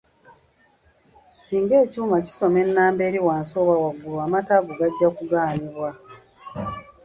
Singa ekyuma kisoma ennamba eri wansi oba waggulu amata ago gajja kugaanibwa.